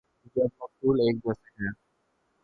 جب مقتول ایک جیسے ہیں۔